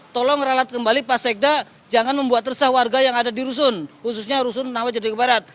tolong ralat kembali pak sekda jangan membuat resah warga yang ada di rusun khususnya rusun nawajar di kebarat